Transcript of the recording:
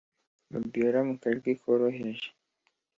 fabiora mukajwi koroheje